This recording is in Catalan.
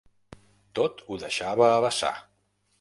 Tot ho deixava a vessar.